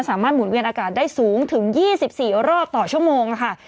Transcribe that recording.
หมุนเวียนอากาศได้สูงถึง๒๔รอบต่อชั่วโมงค่ะ